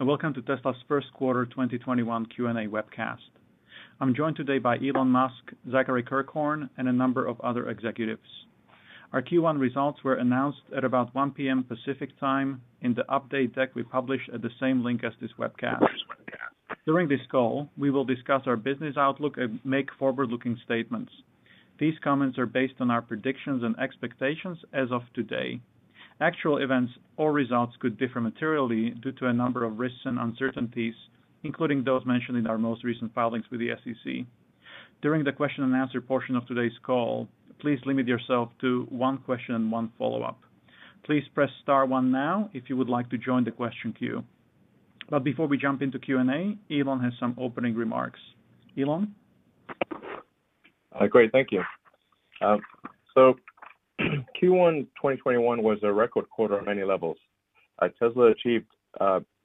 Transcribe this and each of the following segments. Welcome to Tesla's first quarter 2021 Q&A webcast. I'm joined today by Elon Musk, Zachary Kirkhorn, and a number of other executives. Our Q1 results were announced at about 1:00 P.M. Pacific Time in the update deck we published at the same link as this webcast. During this call, we will discuss our business outlook and make forward-looking statements. These comments are based on our predictions and expectations as of today. Actual events or results could differ materially due to a number of risks and uncertainties, including those mentioned in our most recent filings with the SEC. During the question and answer portion of today's call, please limit yourself to one question and one follow-up. Please press star one now if you would like to join the question queue. Before we jump into Q&A, Elon has some opening remarks. Elon? Great. Thank you. Q1 2021 was a record quarter on many levels. Tesla achieved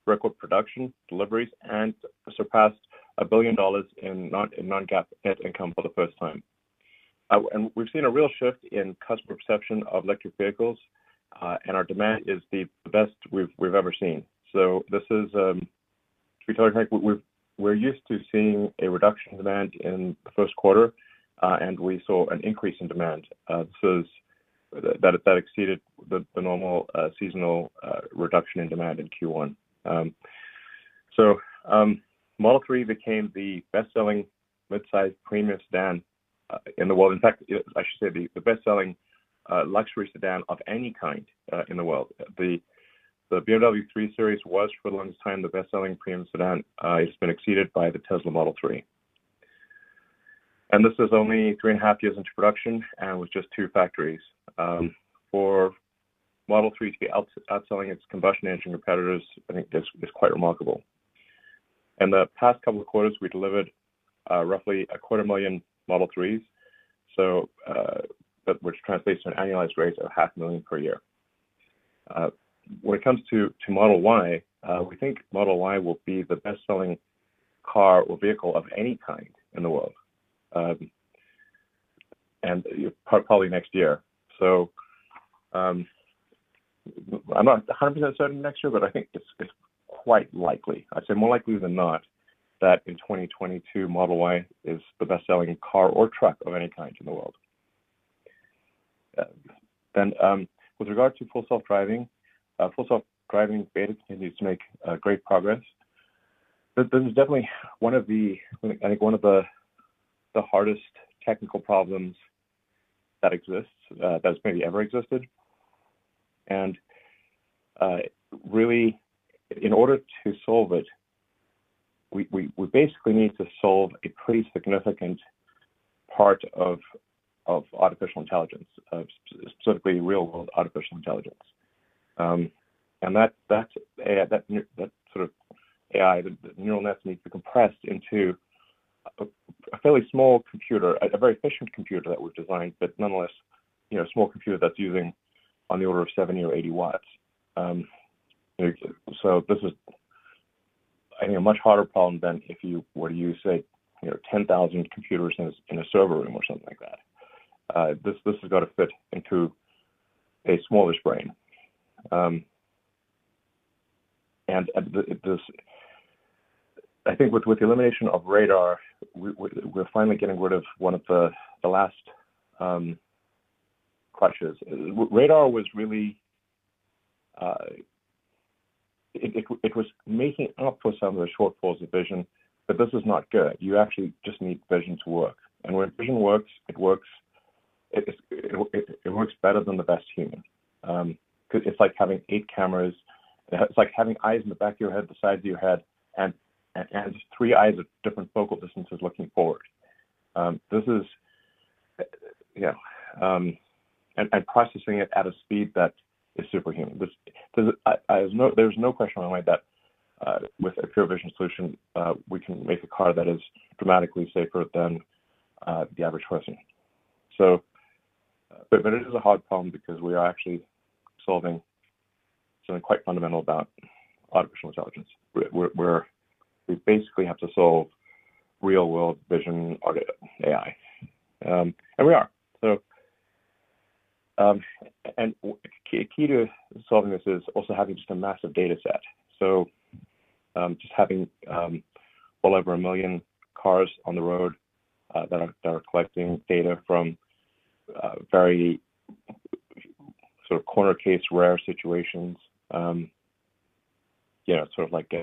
record production, deliveries, and surpassed $1 billion in non-GAAP net income for the first time. We've seen a real shift in customer perception of electric vehicles, and our demand is the best we've ever seen. To be totally frank, we're used to seeing a reduction in demand in the first quarter, and we saw an increase in demand. That exceeded the normal seasonal reduction in demand in Q1. Model 3 became the best-selling midsize premium sedan in the world. In fact, I should say the best-selling luxury sedan of any kind in the world. The BMW 3 Series was, for the longest time, the best-selling premium sedan. It's been exceeded by the Tesla Model 3. This is only three and a half years into production and with just two factories. For Model 3 to be outselling its combustion engine competitors, I think, is quite remarkable. In the past couple of quarters, we delivered roughly a quarter million Model 3s, which translates to an annualized rate of half a million per year. When it comes to Model Y, we think Model Y will be the best-selling car or vehicle of any kind in the world, and probably next year. I'm not 100% certain next year, but I think it's quite likely. I'd say more likely than not that in 2022, Model Y is the best-selling car or truck of any kind in the world. With regard to Full Self-Driving, Full Self-Driving beta continues to make great progress. This is definitely one of the hardest technical problems that exists, that's maybe ever existed. Really, in order to solve it, we basically need to solve a pretty significant part of artificial intelligence, specifically real-world artificial intelligence. That sort of AI, the neural net needs to be compressed into a fairly small computer, a very efficient computer that we've designed, but nonetheless, a small computer that's using on the order of 70 W or 80 W. This is a much harder problem than if you were to use, say, 10,000 computers in a server room or something like that. This has got to fit into a smallish brain. I think with the elimination of radar, we're finally getting rid of one of the last crutches. Radar was really making up for some of the shortfalls of vision, but this is not good. You actually just need vision to work. When vision works, it works better than the best human. Because it's like having eight cameras. It's like having eyes in the back of your head, the sides of your head, and just three eyes at different focal distances looking forward. Processing it at a speed that is superhuman. There's no question in my mind that with a pure vision solution, we can make a car that is dramatically safer than the average person. It is a hard problem because we are actually solving something quite fundamental about artificial intelligence, where we basically have to solve real-world vision AI. We are. Key to solving this is also having just a massive data set. Just having well over 1 million cars on the road that are collecting data from very sort of corner case, rare situations. Sort of like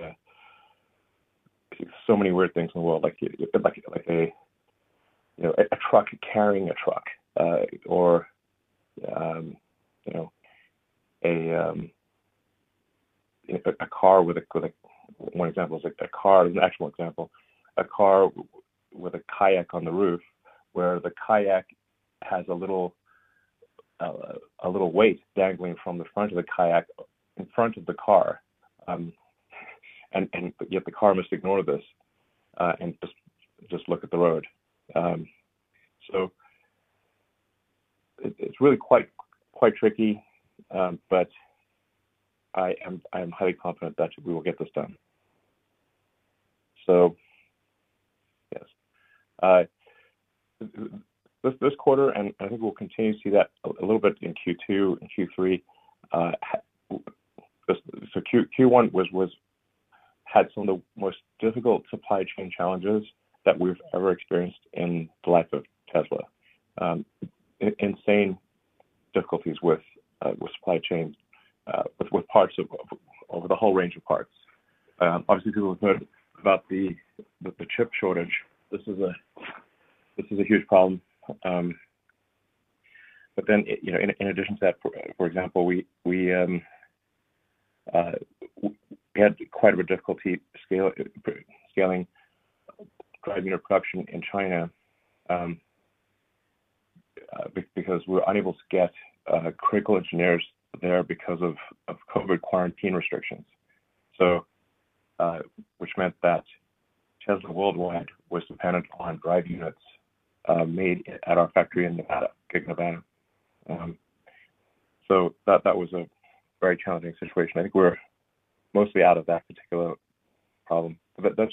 so many weird things in the world, like a truck carrying a truck, or a car with a kayak on the roof where the kayak has a little weight dangling from the front of the kayak in front of the car, and yet the car must ignore this and just look at the road. It's really quite tricky, but I am highly confident that we will get this done. This quarter, and I think we'll continue to see that a little bit in Q2 and Q3. Q1 had some of the most difficult supply chain challenges that we've ever experienced in the life of Tesla. Insane difficulties with supply chains, over the whole range of parts. Obviously, people have heard about the chip shortage. This is a huge problem. In addition to that, for example, we had quite a bit of difficulty scaling drive unit production in China, because we were unable to get critical engineers there because of COVID quarantine restrictions. Which meant that Tesla worldwide was dependent on drive units made at our factory in Nevada. That was a very challenging situation. I think we're mostly out of that particular problem, but those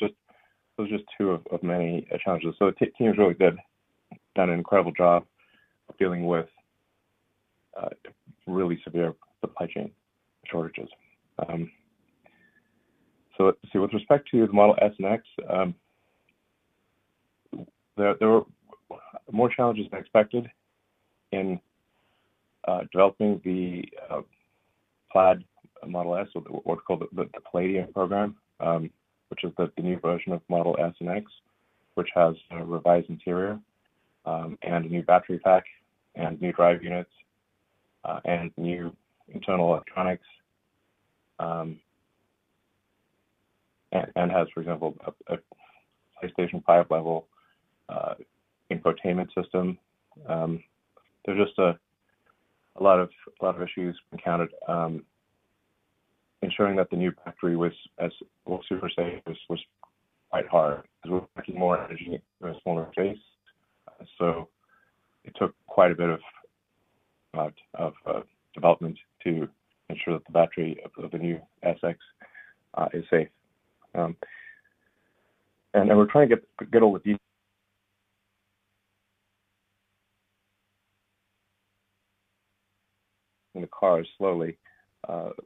are just two of many challenges. The team's really done an incredible job of dealing with really severe supply chain shortages. With respect to the Model S and X, there were more challenges than expected in developing the Plaid Model S, what's called the Palladium program, which is the new version of Model S and X, which has a revised interior, and a new battery pack, and new drive units, and new internal electronics. Has, for example, a PlayStation 5 level infotainment system. There are just a lot of issues encountered ensuring that the new factory was super safe was quite hard, because we're packing more energy in a smaller space. It took quite a bit of development to ensure that the battery of the new S, X is safe. Then we're trying to get all of these new cars slowly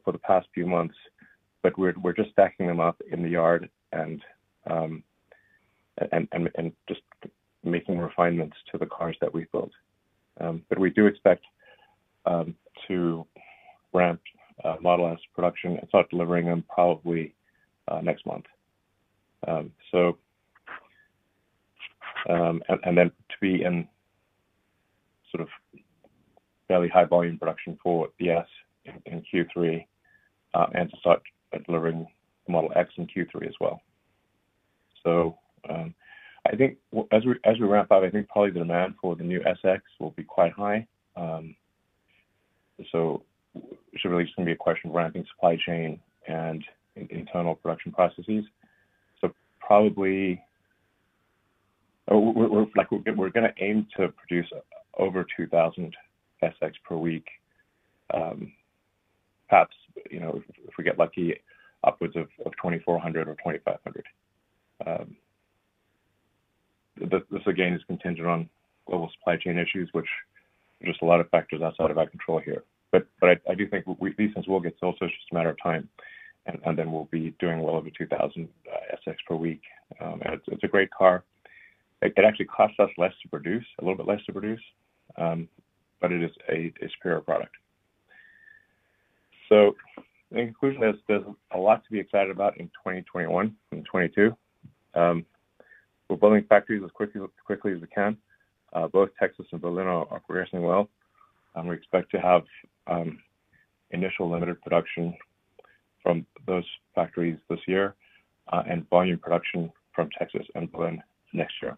for the past few months. We're just stacking them up in the yard and just making refinements to the cars that we've built. We do expect to ramp Model S production and start delivering them probably next month. Then to be in sort of fairly high volume production for the S in Q3, and to start delivering the Model X in Q3 as well. I think as we ramp up, I think probably the demand for the new S, X will be quite high. It's really just going to be a question of ramping supply chain and internal production processes. Probably, we're going to aim to produce over 2,000 S, X per week. Perhaps, if we get lucky, upwards of 2,400 or 2,500. This, again, is contingent on global supply chain issues, which there are just a lot of factors outside of our control here. I do think these things will get sold, so it's just a matter of time, and then we'll be doing well over 2,000 S, X per week. It's a great car. It actually costs us a little bit less to produce, but it is a superior product. In conclusion, there's a lot to be excited about in 2021 and 2022. We're building factories as quickly as we can. Both Texas and Berlin are progressing well, and we expect to have initial limited production from those factories this year, and volume production from Texas and Berlin next year.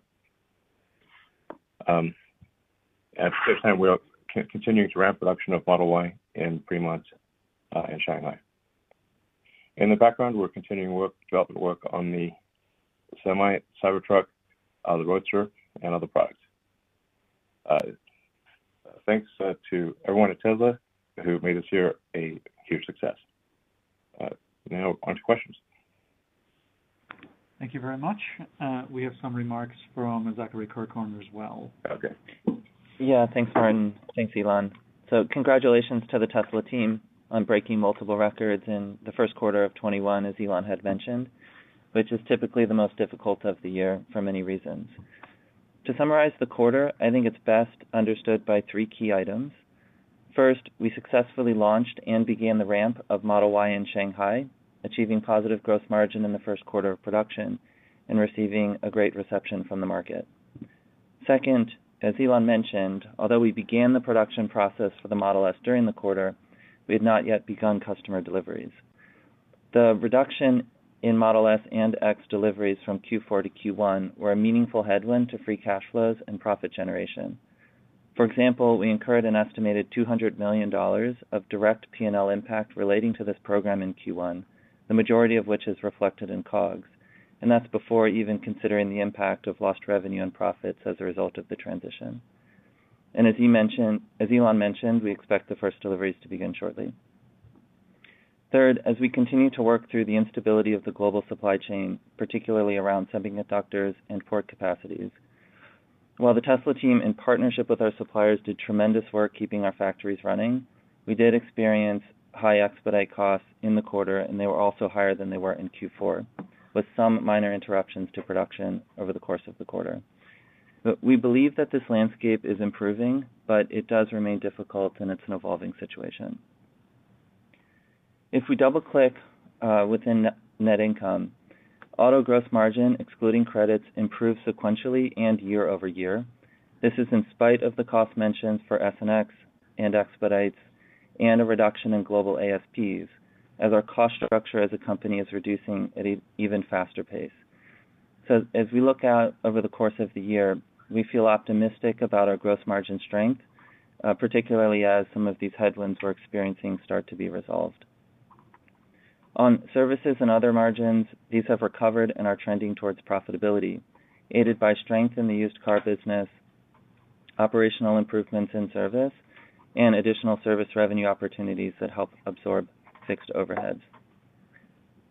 At the same time, we are continuing to ramp production of Model Y in Fremont and Shanghai. In the background, we're continuing development work on the Semi, Cybertruck, the Roadster, and other products. Thanks to everyone at Tesla who have made this year a huge success. Now on to questions. Thank you very much. We have some remarks from Zachary Kirkhorn as well. Okay. Yeah. Thanks, Martin. Thanks, Elon. Congratulations to the Tesla team on breaking multiple records in the first quarter of 2021, as Elon had mentioned, which is typically the most difficult of the year for many reasons. To summarize the quarter, I think it's best understood by three key items. First, we successfully launched and began the ramp of Model Y in Shanghai, achieving positive gross margin in the first quarter of production and receiving a great reception from the market. Second, as Elon mentioned, although we began the production process for the Model S during the quarter, we have not yet begun customer deliveries. The reduction in Model S and X deliveries from Q4 to Q1 were a meaningful headwind to free cash flows and profit generation. For example, we incurred an estimated $200 million of direct P&L impact relating to this program in Q1, the majority of which is reflected in COGS. That's before even considering the impact of lost revenue and profits as a result of the transition. As Elon mentioned, we expect the first deliveries to begin shortly. Third, as we continue to work through the instability of the global supply chain, particularly around semiconductors and port capacities. While the Tesla team, in partnership with our suppliers, did tremendous work keeping our factories running, we did experience high expedite costs in the quarter, and they were also higher than they were in Q4, with some minor interruptions to production over the course of the quarter. We believe that this landscape is improving, but it does remain difficult, and it's an evolving situation. If we double-click within net income, auto gross margin, excluding credits, improved sequentially and year-over-year. This is in spite of the cost mentions for S and X and expedites and a reduction in global ASPs as our cost structure as a company is reducing at an even faster pace. As we look out over the course of the year, we feel optimistic about our gross margin strength, particularly as some of these headwinds we're experiencing start to be resolved. On services and other margins, these have recovered and are trending towards profitability, aided by strength in the used car business, operational improvements in service, and additional service revenue opportunities that help absorb fixed overheads.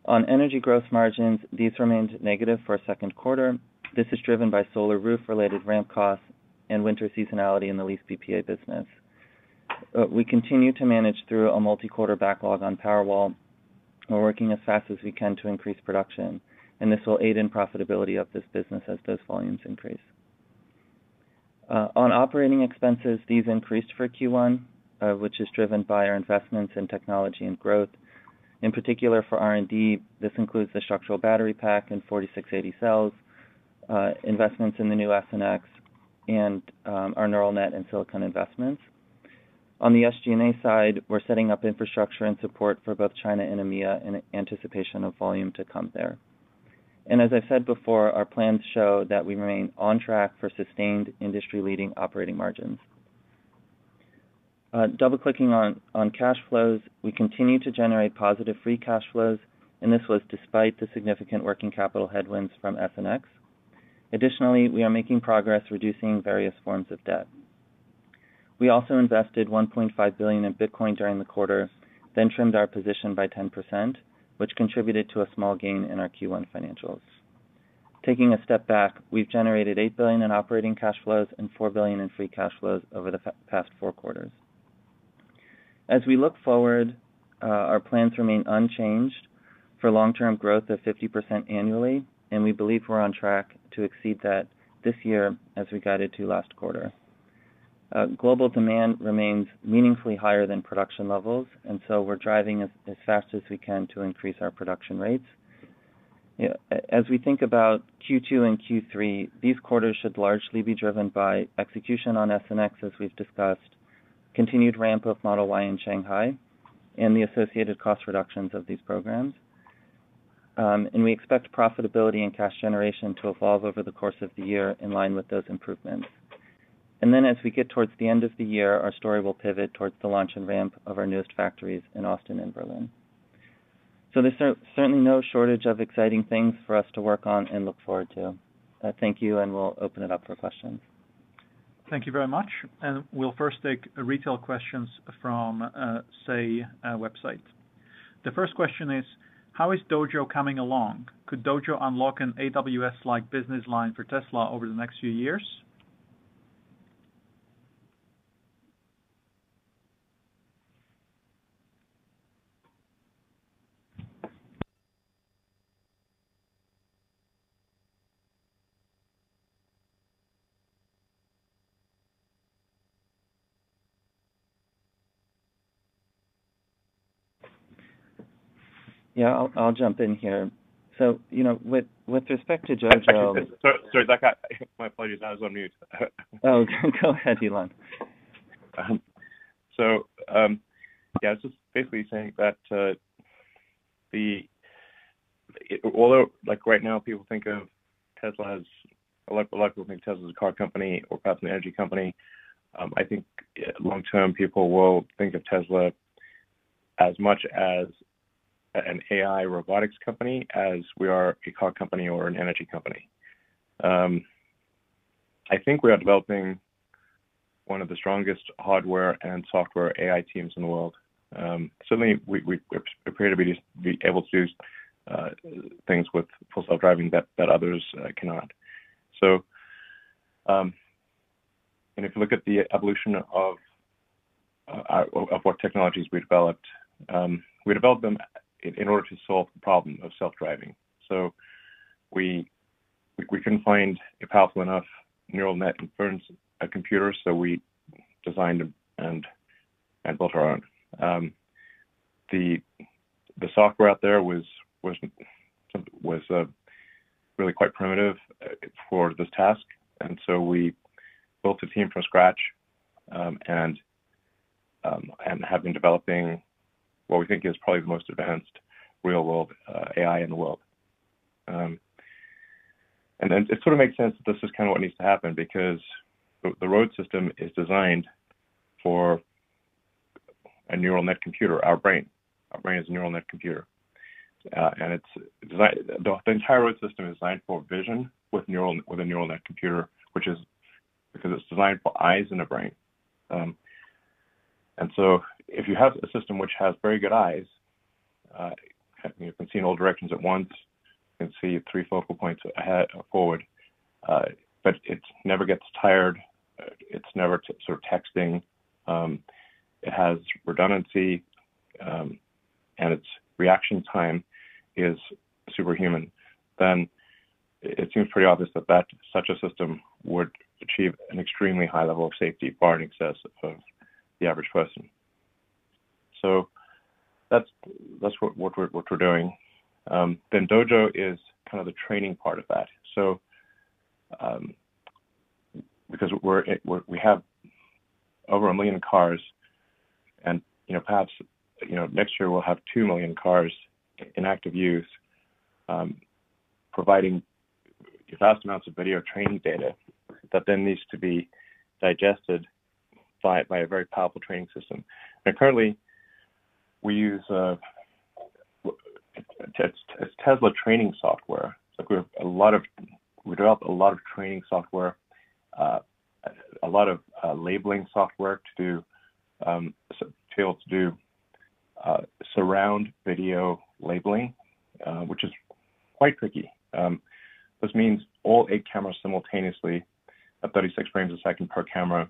On energy gross margins, these remained negative for a second quarter. This is driven by Solar Roof-related ramp costs and winter seasonality in the lease PPA business. We continue to manage through a multi-quarter backlog on Powerwall. We're working as fast as we can to increase production, and this will aid in profitability of this business as those volumes increase. On operating expenses, these increased for Q1, which is driven by our investments in technology and growth. In particular for R&D, this includes the structural battery pack and 4680 cells, investments in the new S and X, and our neural net and silicon investments. On the SG&A side, we're setting up infrastructure and support for both China and EMEA in anticipation of volume to come there. As I said before, our plans show that we remain on track for sustained industry-leading operating margins. Double-clicking on cash flows, we continue to generate positive free cash flows, and this was despite the significant working capital headwinds from S and X. Additionally, we are making progress reducing various forms of debt. We also invested $1.5 billion in Bitcoin during the quarter, then trimmed our position by 10%, which contributed to a small gain in our Q1 financials. Taking a step back, we've generated $8 billion in operating cash flows and $4 billion in free cash flows over the past four quarters. As we look forward, our plans remain unchanged for long-term growth of 50% annually, and we believe we're on track to exceed that this year as we guided to last quarter. Global demand remains meaningfully higher than production levels, and so we're driving as fast as we can to increase our production rates. As we think about Q2 and Q3, these quarters should largely be driven by execution on S and X, as we've discussed, continued ramp of Model Y in Shanghai, and the associated cost reductions of these programs. We expect profitability and cash generation to evolve over the course of the year in line with those improvements. As we get towards the end of the year, our story will pivot towards the launch and ramp of our newest factories in Austin and Berlin. There's certainly no shortage of exciting things for us to work on and look forward to. Thank you, and we'll open it up for questions. Thank you very much. We'll first take retail questions from, say, a website. The first question is: how is Dojo coming along? Could Dojo unlock an AWS-like business line for Tesla over the next few years? Yeah, I'll jump in here. With respect to Dojo. Sorry, Zach. My apologies. I was on mute. Oh, go ahead, Elon. Yeah, just basically saying that although right now a lot of people think of Tesla as a car company or perhaps an energy company, I think long term, people will think of Tesla as much as an AI robotics company as we are a car company or an energy company. I think we are developing one of the strongest hardware and software AI teams in the world. Certainly, we appear to be able to do things with Full Self-Driving that others cannot. If you look at the evolution of what technologies we developed, we developed them in order to solve the problem of self-driving. We couldn't find a powerful enough neural net inference computer, so we designed and built our own. The software out there was really quite primitive for this task, and so we built a team from scratch and have been developing what we think is probably the most advanced real-world AI in the world. It sort of makes sense that this is kind of what needs to happen because the road system is designed for a neural net computer, our brain. Our brain is a neural net computer. The entire road system is designed for vision with a neural net computer, because it's designed for eyes and a brain. If you have a system which has very good eyes, it can see in all directions at once, it can see three focal points ahead or forward, but it never gets tired, it's never sort of texting, it has redundancy, and its reaction time is superhuman, then it seems pretty obvious that such a system would achieve an extremely high level of safety, far in excess of the average person. That's what we're doing. Dojo is kind of the training part of that. Because we have over 1 million cars and perhaps next year we'll have 2 million cars in active use, providing vast amounts of video training data that then needs to be digested by a very powerful training system. Currently we use Tesla training software. We developed a lot of training software, a lot of labeling software to be able to do surround video labeling, which is quite tricky. This means all eight cameras simultaneously at 36 frames a second per camera,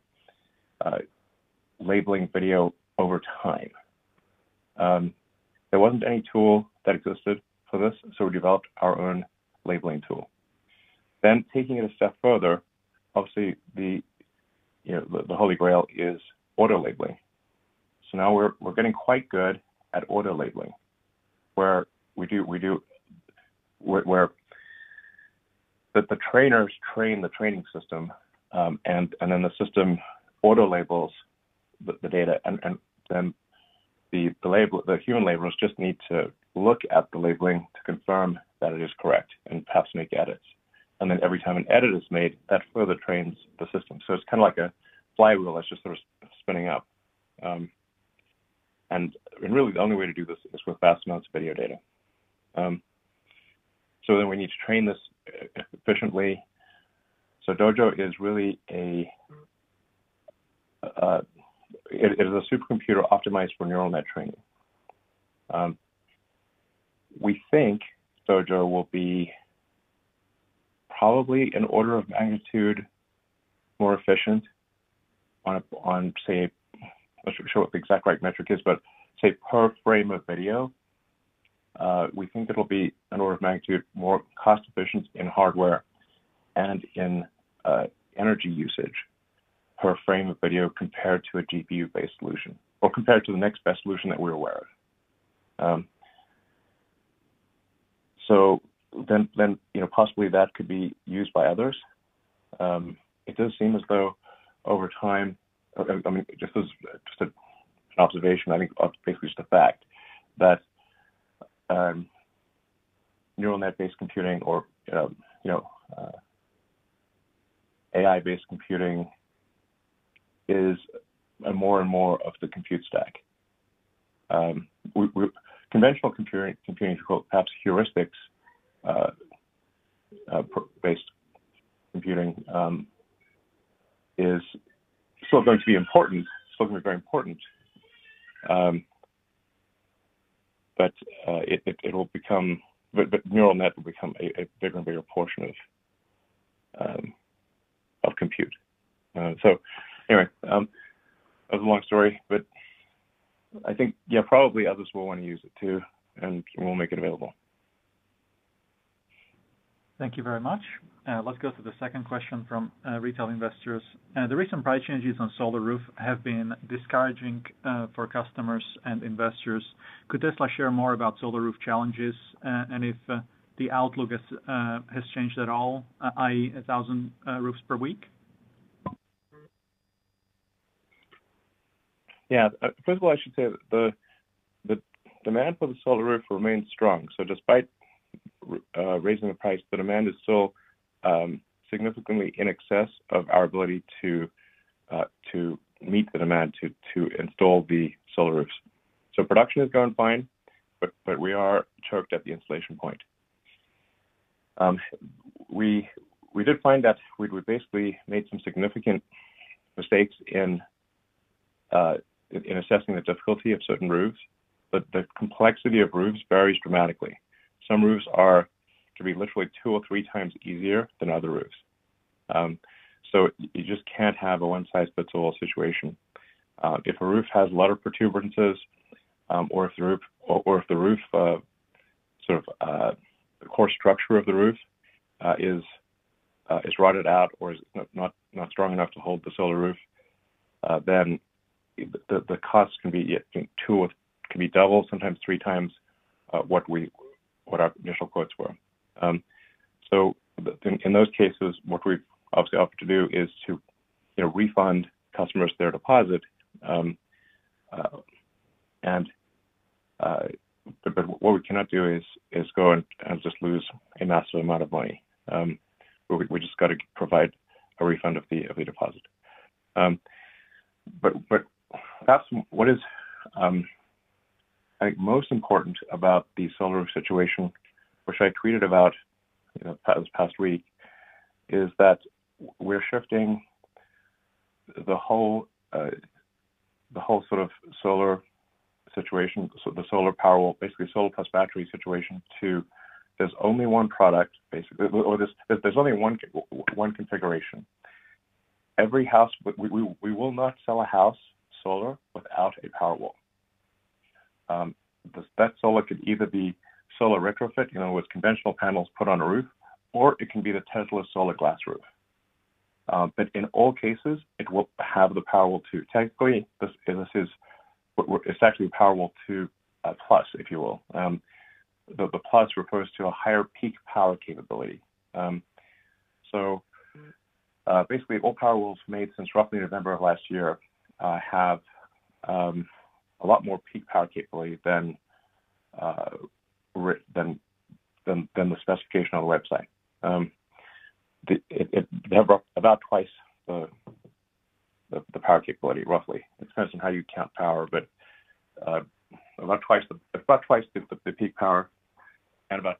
labeling video over time. There wasn't any tool that existed for this, we developed our own labeling tool. Taking it a step further, obviously the holy grail is auto labeling. Now we're getting quite good at auto labeling, where the trainers train the training system, the system auto labels the data, the human labelers just need to look at the labeling to confirm that it is correct and perhaps make edits. Every time an edit is made, that further trains the system. It's kind of like a flywheel that's just sort of spinning up. Really the only way to do this is with vast amounts of video data. We need to train this efficiently. Dojo is a supercomputer optimized for neural net training. We think Dojo will be probably an order of magnitude more efficient on, say, I'm not sure what the exact right metric is, but say, per frame of video, we think it'll be an order of magnitude more cost efficient in hardware and in energy usage per frame of video compared to a GPU-based solution or compared to the next best solution that we're aware of. Possibly that could be used by others. It does seem as though over time, just as an observation, I think basically it's the fact that neural net-based computing or AI-based computing is more and more of the compute stack. Conventional computing, quote, perhaps heuristics-based computing, is still going to be important, still going to be very important, but neural net will become a bigger and bigger portion of compute. Anyway, that was a long story, but I think, yeah, probably others will want to use it too, and we'll make it available. Thank you very much. Let's go to the second question from retail investors. The recent price changes on Solar Roof have been discouraging for customers and investors. Could Tesla share more about Solar Roof challenges and if the outlook has changed at all, i.e., 1,000 roofs per week? Yeah. First of all, I should say the demand for the Solar Roof remains strong. Despite raising the price, the demand is still significantly in excess of our ability to meet the demand to install the Solar Roofs. Production has gone fine, but we are choked at the installation point. We did find that we basically made some significant mistakes in assessing the difficulty of certain roofs, but the complexity of roofs varies dramatically. Some roofs are to be literally two or three times easier than other roofs. You just can't have a one-size-fits-all situation. If a roof has a lot of protuberances, or if the core structure of the roof is rotted out or is not strong enough to hold the Solar Roof, then the cost can be double, sometimes three times what our initial quotes were. In those cases, what we've obviously opted to do is to refund customers their deposit. What we cannot do is go and just lose a massive amount of money. We just got to provide a refund of the deposit. What is I think most important about the Solar Roof situation, which I tweeted about this past week, is that we're shifting the whole sort of solar situation, the solar Powerwall, basically solar plus battery situation to there's only one product basically, or there's only one configuration. We will not sell a house solar without a Powerwall. That solar could either be solar retrofit, with conventional panels put on a roof, or it can be the Tesla Solar Glass Roof. In all cases, it will have the Powerwall 2. Technically, it's actually a Powerwall 2 Plus, if you will. The Plus refers to a higher peak power capability. Basically all Powerwalls made since roughly November of last year have a lot more peak power capability than the specification on the website. They have about twice the power capability, roughly. Depends on how you count power, but about twice the peak power and about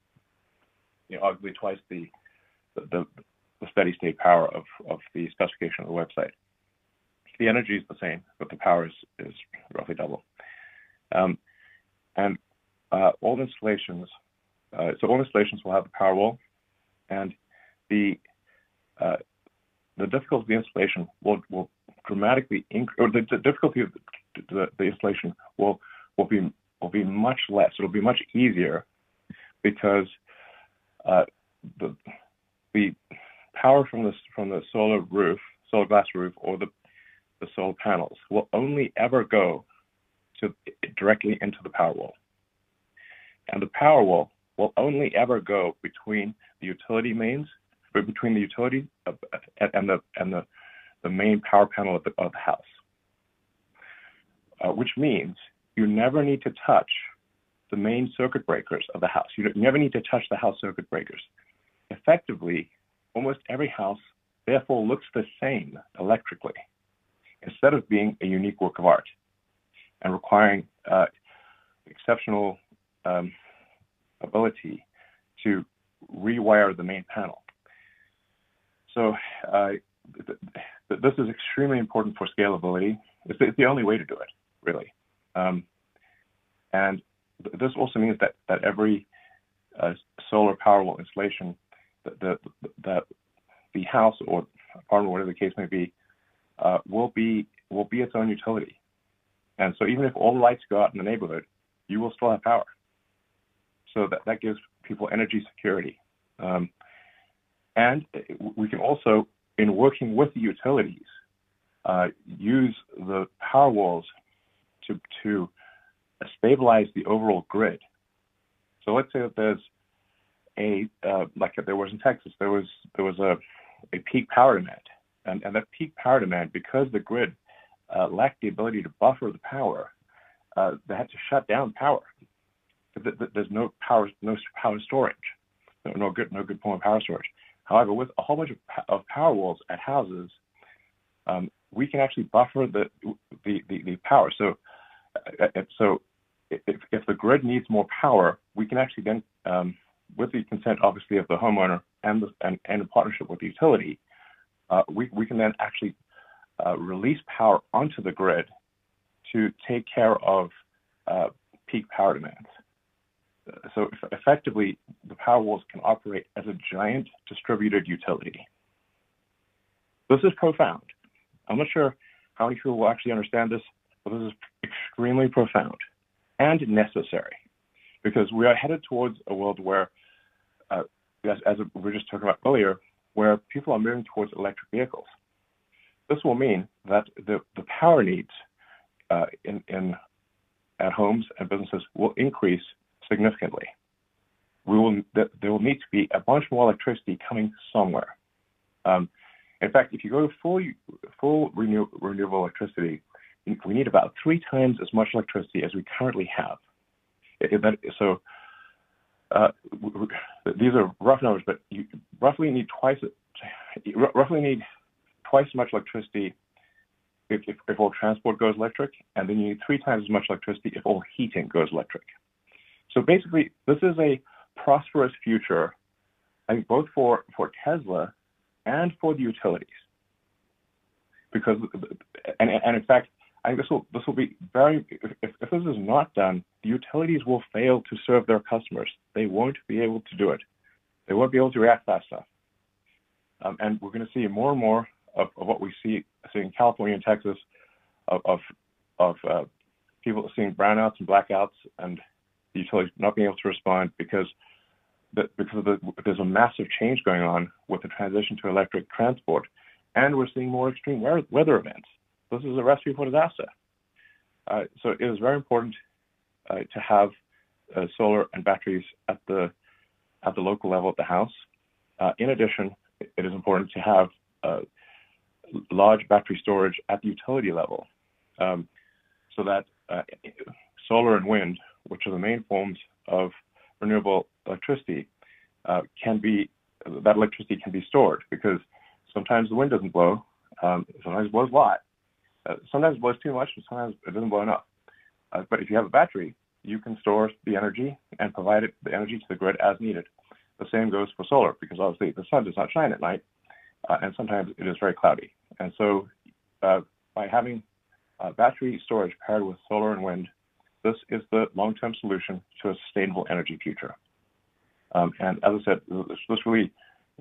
arguably twice the steady state power of the specification on the website. The energy is the same, but the power is roughly double. All installations will have the Powerwall and the difficulty of the installation will be much less. It'll be much easier because the power from the solar glass roof or the solar panels will only ever go directly into the Powerwall. The Powerwall will only ever go between the utility and the main power panel of the house. Which means you never need to touch the main circuit breakers of the house. You never need to touch the house circuit breakers. Effectively, almost every house therefore looks the same electrically, instead of being a unique work of art and requiring exceptional ability to rewire the main panel. This is extremely important for scalability. It's the only way to do it, really. This also means that every solar Powerwall installation that the house or apartment, whatever the case may be will be its own utility. Even if all the lights go out in the neighborhood you will still have power. That gives people energy security. We can also, in working with the utilities use the Powerwalls to stabilize the overall grid. Let's say that there's like there was in Texas, there was a peak power demand. That peak power demand, because the grid lacked the ability to buffer the power they had to shut down power. There's no power storage. No good point of power storage. With a whole bunch of Powerwalls at houses we can actually buffer the power. If the grid needs more power, we can actually then with the consent, obviously, of the homeowner and in partnership with the utility we can then actually release power onto the grid to take care of peak power demands. Effectively, the Powerwalls can operate as a giant distributed utility. This is profound. I'm not sure how many people will actually understand this, but this is extremely profound and necessary because we are headed towards a world where as we were just talking about earlier, where people are moving towards electric vehicles. This will mean that the power needs at homes and businesses will increase significantly. There will need to be a bunch more electricity coming somewhere. In fact, if you go to full renewable electricity, we need about three times as much electricity as we currently have. These are rough numbers, but you roughly need twice as much electricity if all transport goes electric, you need three times as much electricity if all heating goes electric. Basically, this is a prosperous future, I think both for Tesla and for the utilities. In fact, if this is not done, the utilities will fail to serve their customers. They won't be able to do it. They won't be able to react fast enough. We're going to see more and more of what we see in California and Texas of people seeing brownouts and blackouts and the utilities not being able to respond because there's a massive change going on with the transition to electric transport, and we're seeing more extreme weather events. This is a recipe for disaster. It is very important to have solar and batteries at the local level at the house. In addition, it is important to have large battery storage at the utility level. That solar and wind, which are the main forms of renewable electricity, that electricity can be stored because sometimes the wind doesn't blow. Sometimes it blows a lot. Sometimes it blows too much, and sometimes it doesn't blow enough. If you have a battery, you can store the energy and provide the energy to the grid as needed. The same goes for solar, because obviously the sun does not shine at night, and sometimes it is very cloudy. By having battery storage paired with solar and wind, this is the long-term solution to a sustainable energy future. As I said, this really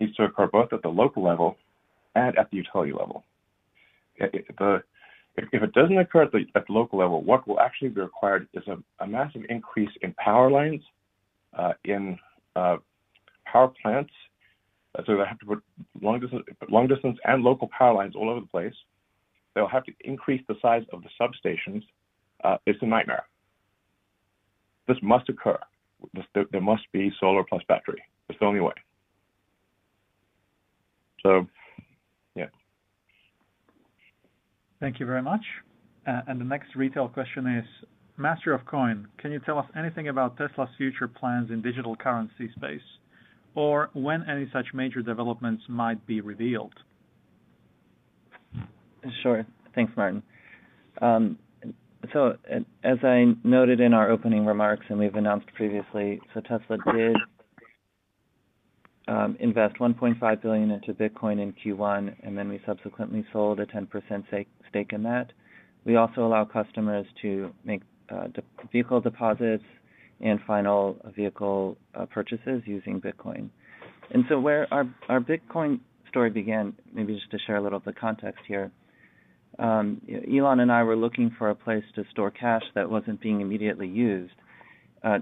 needs to occur both at the local level and at the utility level. If it doesn't occur at the local level, what will actually be required is a massive increase in power lines, in power plants. They have to put long-distance and local power lines all over the place. They'll have to increase the size of the substations. It's a nightmare. This must occur. There must be solar plus battery. It's the only way. Thank you very much. The next retail question is, Master of Coin, can you tell us anything about Tesla's future plans in digital currency space, or when any such major developments might be revealed? Thanks, Martin. As I noted in our opening remarks, and we’ve announced previously, Tesla did invest $1.5 billion into Bitcoin in Q1, we subsequently sold a 10% stake in that. We also allow customers to make vehicle deposits and final vehicle purchases using Bitcoin. Where our Bitcoin story began, maybe just to share a little of the context here, Elon and I were looking for a place to store cash that wasn’t being immediately used,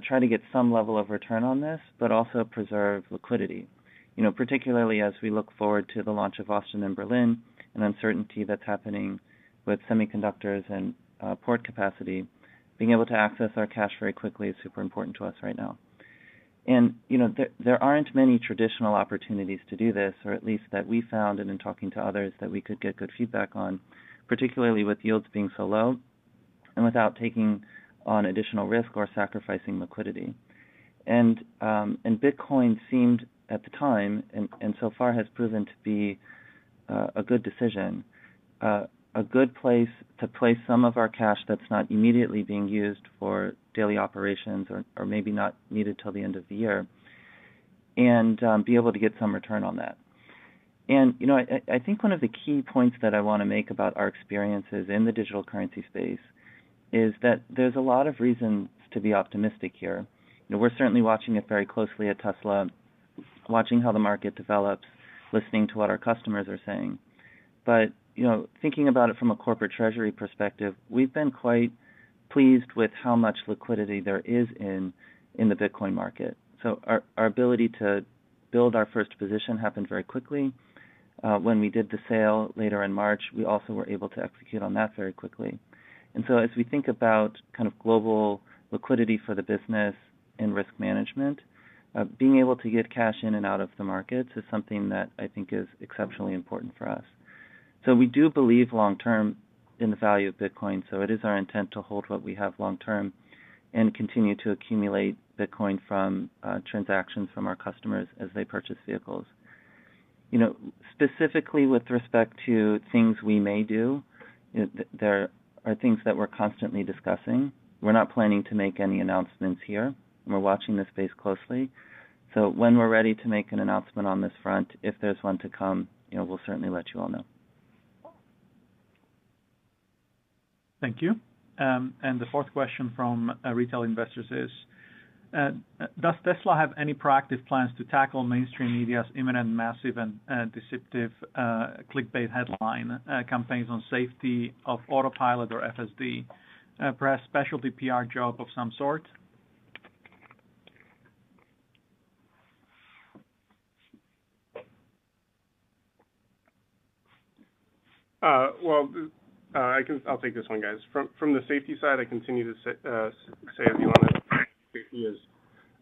try to get some level of return on this, but also preserve liquidity. Particularly as we look forward to the launch of Austin and Berlin and uncertainty that’s happening with semiconductors and port capacity, being able to access our cash very quickly is super important to us right now. There aren't many traditional opportunities to do this, or at least that we found and in talking to others that we could get good feedback on, particularly with yields being so low and without taking on additional risk or sacrificing liquidity. Bitcoin seemed, at the time, and so far has proven to be a good decision, a good place to place some of our cash that's not immediately being used for daily operations or maybe not needed till the end of the year, and be able to get some return on that. I think one of the key points that I want to make about our experiences in the digital currency space is that there's a lot of reasons to be optimistic here. We're certainly watching it very closely at Tesla, watching how the market develops, listening to what our customers are saying. Thinking about it from a corporate treasury perspective, we've been quite pleased with how much liquidity there is in the Bitcoin market. Our ability to build our first position happened very quickly. When we did the sale later in March, we also were able to execute on that very quickly. As we think about global liquidity for the business and risk management, being able to get cash in and out of the markets is something that I think is exceptionally important for us. We do believe long-term in the value of Bitcoin, so it is our intent to hold what we have long-term and continue to accumulate Bitcoin from transactions from our customers as they purchase vehicles. Specifically with respect to things we may do, there are things that we're constantly discussing. We're not planning to make any announcements here, and we're watching this space closely. When we're ready to make an announcement on this front, if there's one to come, we'll certainly let you all know. Thank you. The fourth question from retail investors is: Does Tesla have any proactive plans to tackle mainstream media's imminent, massive, and deceptive clickbait headline campaigns on safety of Autopilot or FSD? Perhaps specialty PR job of some sort? Well, I'll take this one, guys. From the safety side, I continue to say, as Elon Musk has, safety is. Yeah. Driving point and all.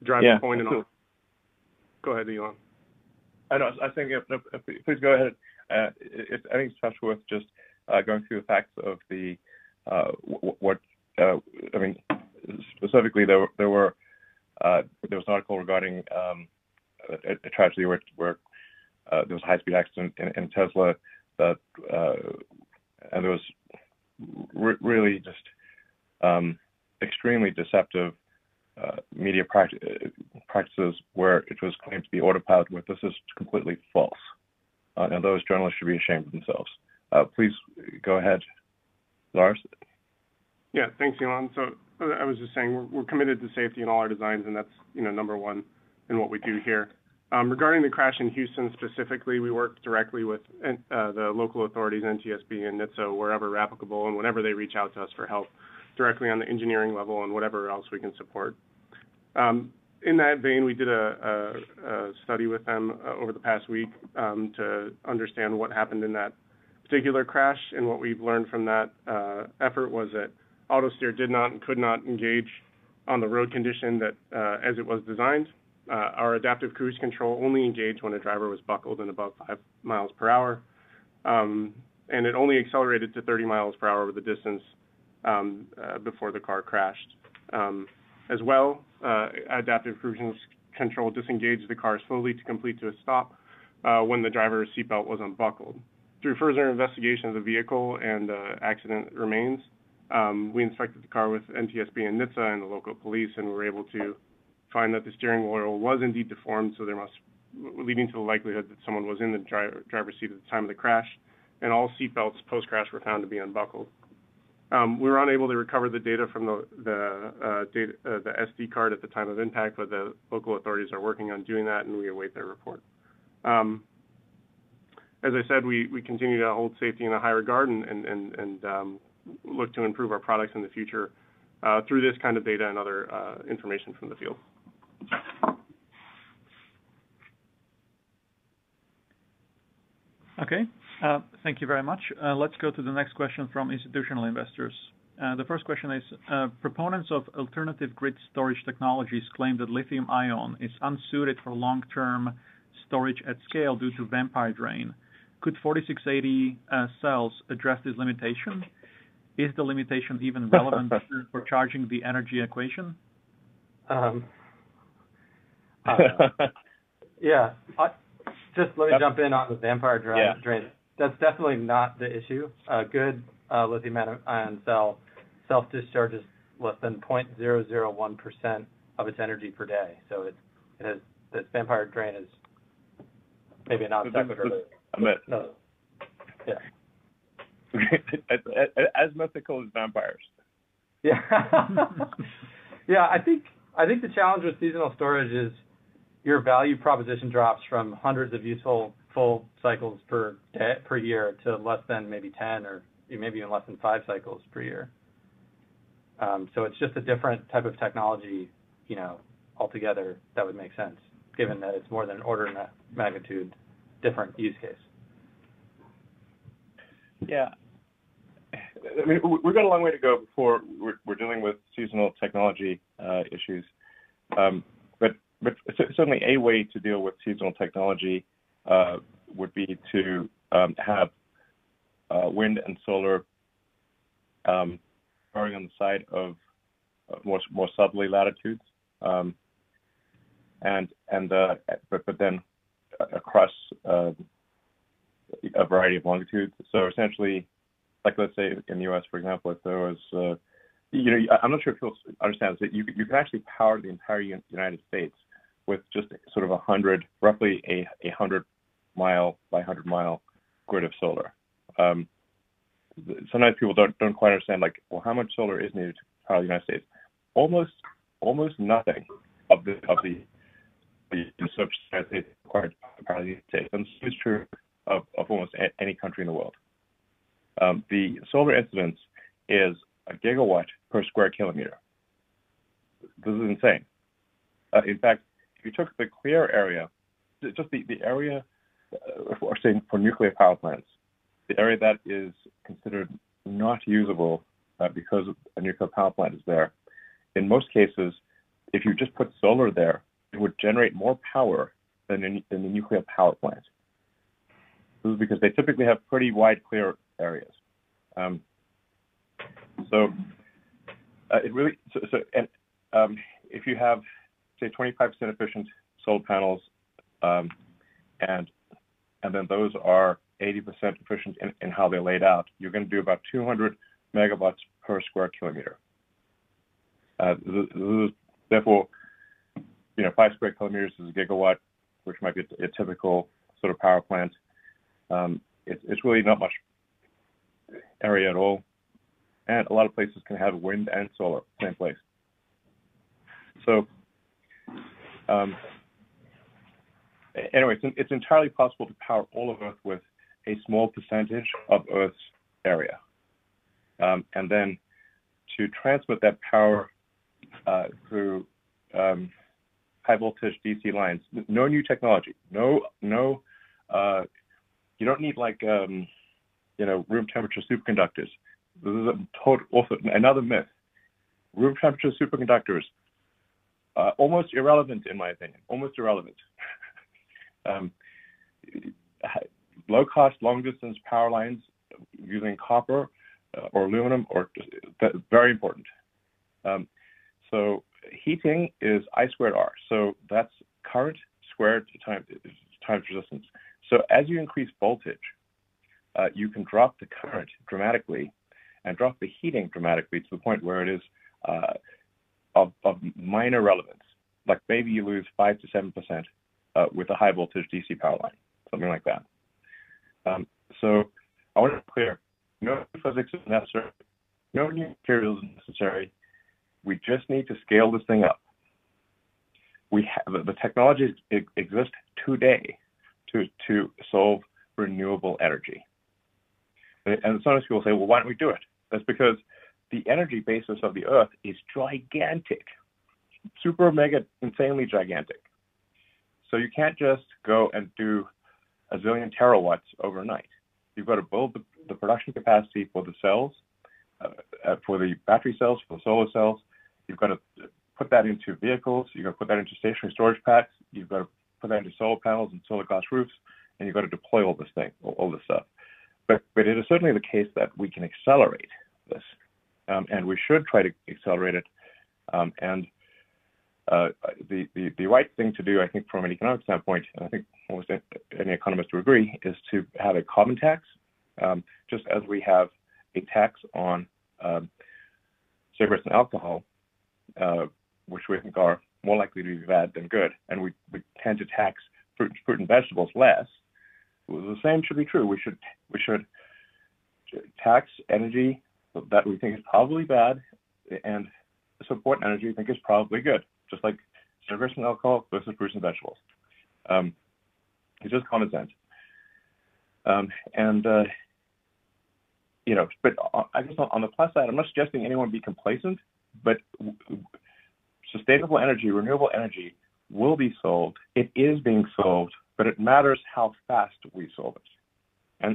Go ahead, Elon. I think, please go ahead. I think it's perhaps worth just going through the facts. Specifically, there was an article regarding a tragedy where there was a high-speed accident in a Tesla. There was really just extremely deceptive media practices where it was claimed to be Autopilot, where this is completely false. Those journalists should be ashamed of themselves. Please go ahead, Lars. Yeah. Thanks, Elon. I was just saying, we're committed to safety in all our designs, and that's number one in what we do here. Regarding the crash in Houston specifically, we work directly with the local authorities, NTSB, and NHTSA, wherever applicable and whenever they reach out to us for help directly on the engineering level and whatever else we can support. In that vein, we did a study with them over the past week to understand what happened in that particular crash. What we've learned from that effort was that Autosteer did not and could not engage on the road condition that, as it was designed, our adaptive cruise control only engaged when a driver was buckled and above five miles per hour. It only accelerated to 30 mph over the distance before the car crashed. Adaptive cruise control disengaged the car slowly to complete to a stop when the driver's seatbelt was unbuckled. Through further investigation of the vehicle and the accident remains, we inspected the car with NTSB and NHTSA and the local police and were able to find that the steering wheel was indeed deformed, leading to the likelihood that someone was in the driver's seat at the time of the crash, and all seatbelts post-crash were found to be unbuckled. We were unable to recover the data from the SD card at the time of impact. The local authorities are working on doing that. We await their report. As I said, we continue to hold safety in a higher regard and look to improve our products in the future, through this kind of data and other information from the field. Okay. Thank you very much. Let's go to the next question from institutional investors. The first question is, proponents of alternative grid storage technologies claim that lithium ion is unsuited for long-term storage at scale due to vampire drain. Could 4680 cells address this limitation? Is the limitation even relevant for charging the energy equation? Yeah. Just let me jump in on the vampire drain. Yeah. That's definitely not the issue. A good lithium-ion cell self discharges less than 0.001% of its energy per day. A myth. Yeah. As mythical as vampires. Yeah. I think the challenge with seasonal storage is your value proposition drops from hundreds of useful full cycles per year to less than maybe 10, or maybe even less than five cycles per year. It's just a different type of technology altogether that would make sense given that it's more than an order of magnitude different use case. Yeah. We've got a long way to go before we're dealing with seasonal technology issues. Certainly a way to deal with seasonal technology would be to have wind and solar on the side of more southerly latitudes, but then across a variety of longitudes. Essentially, let's say in the U.S., for example, I'm not sure if you'll understand this, that you could actually power the entire United States with just roughly a 100 mi by 100 mi grid of solar. Sometimes people don't quite understand, how much solar is needed to power the United States? Almost nothing of the required to power the United States, and it's true of almost any country in the world. The solar incidence is a GW per sq km. This is insane. In fact, if you took the clear area, just the area, say for nuclear power plants, the area that is considered not usable because a nuclear power plant is there, in most cases, if you just put solar there, it would generate more power than the nuclear power plant. This is because they typically have pretty wide, clear areas. If you have, say, 25% efficient solar panels, and then those are 80% efficient in how they're laid out, you're going to do about 200 MW per sq km. 5 sq km is 1 GW, which might be a typical sort of power plant. It's really not much area at all, and a lot of places can have wind and solar in place. Anyways, it's entirely possible to power all of Earth with a small percentage of Earth's area. To transmit that power through high voltage DC lines, no new technology. You don't need room temperature superconductors. This is another myth. Room temperature superconductors are almost irrelevant in my opinion. Almost irrelevant. Low cost, long distance power lines using copper or aluminum are very important. Heating is I squared R. That's current squared times resistance. As you increase voltage, you can drop the current dramatically and drop the heating dramatically to the point where it is of minor relevance. Maybe you lose 5-7% with a high voltage DC power line, something like that. I want it clear, no new physics is necessary, no new materials are necessary. We just need to scale this thing up. The technology exists today to solve renewable energy. As soon as people say, "Well, why don't we do it?" That's because the energy basis of the Earth is gigantic. Super, mega, insanely gigantic. You can't just go and do a zillion terawatts overnight. You've got to build the production capacity for the cells, for the battery cells, for the solar cells. You've got to put that into vehicles, you've got to put that into stationary storage packs, you've got to put that into solar panels and solar glass roofs, and you've got to deploy all this stuff. It is certainly the case that we can accelerate this, and we should try to accelerate it. The right thing to do, I think from an economic standpoint, I think most, any economist would agree, is to have a carbon tax, just as we have a tax on cigarettes and alcohol, which we think are more likely to be bad than good. We tend to tax fruit and vegetables less. The same should be true. We should tax energy that we think is probably bad and support energy we think is probably good, just like cigarettes and alcohol versus fruits and vegetables. It's just common sense. I guess on the plus side, I'm not suggesting anyone be complacent, but sustainable energy, renewable energy will be solved. It is being solved, but it matters how fast we solve it.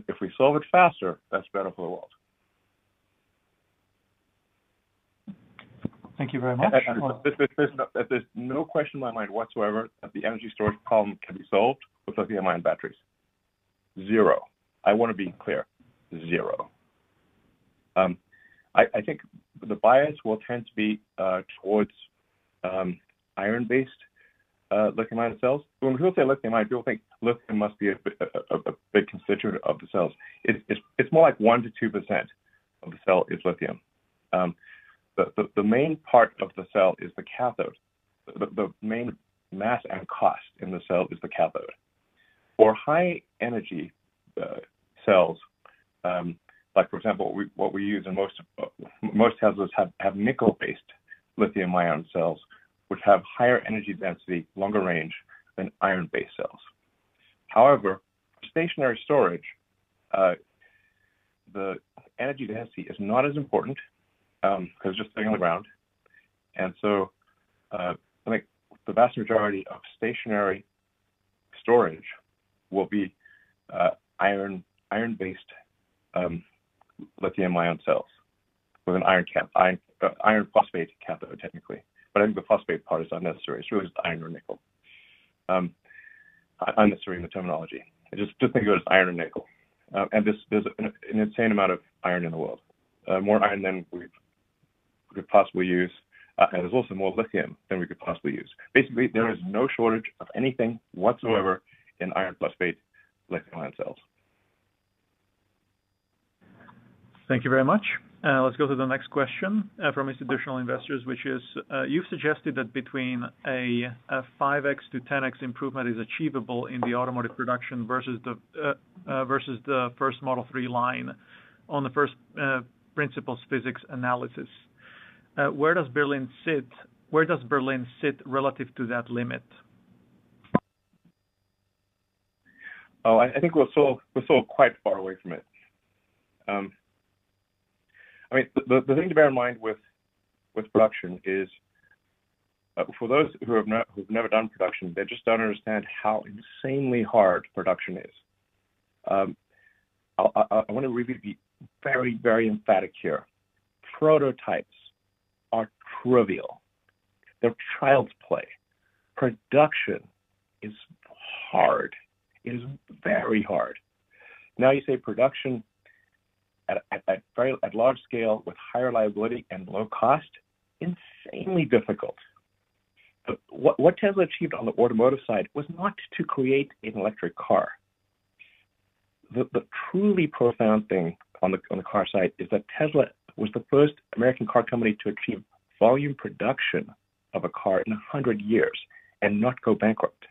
If we solve it faster, that's better for the world. Thank you very much. There's no question in my mind whatsoever that the energy storage problem can be solved with lithium-ion batteries. Zero. I want to be clear. Zero. I think the bias will tend to be towards iron-based lithium-ion cells. When people say lithium-ion, people think lithium must be a big constituent of the cells. It's more like 1%-2% of the cell is lithium. The main part of the cell is the cathode. The main mass and cost in the cell is the cathode. For high energy cells, like for example, what we use in most Tesla have nickel-based lithium-ion cells, which have higher energy density, longer range than iron-based cells. However, stationary storage, the energy density is not as important, because it's just sitting on the ground. I think the vast majority of stationary storage will be iron-based lithium-ion cells with an iron phosphate cathode, technically. I think the phosphate part is unnecessary. It's really just iron or nickel. Unnecessary in the terminology. Just think of it as iron or nickel. There's an insane amount of iron in the world, more iron than we could possibly use. There's also more lithium than we could possibly use. Basically, there is no shortage of anything whatsoever in iron phosphate lithium-ion cells. Thank you very much. Let's go to the next question from Institutional Investors, which is: You've suggested that between a 5x-10x improvement is achievable in the automotive production versus the first Model 3 line on the first principles physics analysis. Where does Berlin sit relative to that limit? Oh, I think we're still quite far away from it. The thing to bear in mind with production is for those who have never done production, they just don't understand how insanely hard production is. I want to be very emphatic here. Prototypes are trivial. They're child's play. Production is hard. It is very hard. You say production at large scale with higher liability and low cost, insanely difficult. What Tesla achieved on the automotive side was not to create an electric car. The truly profound thing on the car side is that Tesla was the first American car company to achieve volume production of a car in 100 years and not go bankrupt.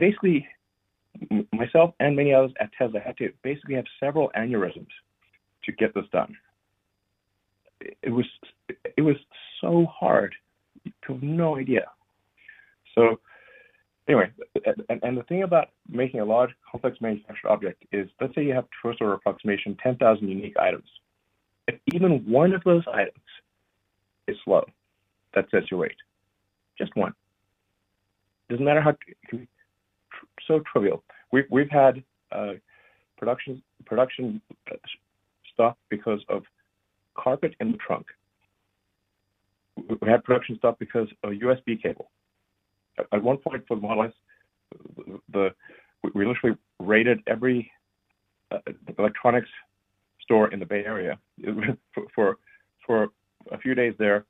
Basically, myself and many others at Tesla had to basically have several aneurysms to get this done. It was so hard. You have no idea. Anyway. The thing about making a large, complex manufactured object is, let's say you have first order approximation 10,000 unique items. If even one of those items is slow, that sets your rate. Just one. Doesn't matter how trivial. We've had production stopped because of carpet in the trunk. We've had production stopped because of a USB cable. At one point for Model S, we literally raided every electronics store in the Bay Area. For a few days there,